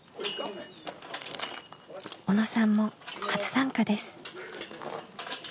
小野さんも初参加です。